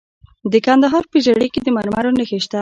د کندهار په ژیړۍ کې د مرمرو نښې شته.